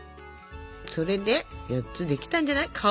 それで４つできたんじゃない？